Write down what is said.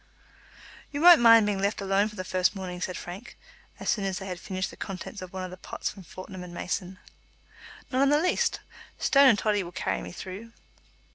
"You won't mind being left alone for the first morning?" said Frank, as soon as they had finished the contents of one of the pots from Fortnum and Mason. "Not in the least. Stone and Toddy will carry me through."